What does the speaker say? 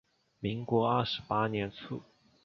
民国二十八年卒。